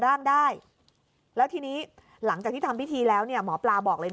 ร่างได้แล้วทีนี้หลังจากที่ทำพิธีแล้วเนี่ยหมอปลาบอกเลย